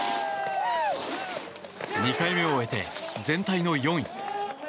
２回目を終えて全体の４位。